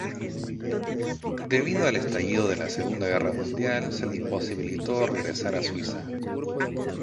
Debido al estallido de la Segunda Guerra Mundial se le imposibilitó regresar a Suiza.